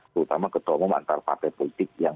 terutama ketomong antar partai politik yang